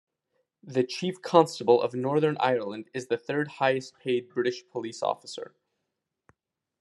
The Chief Constable of Northern Ireland is the third-highest paid British police officer.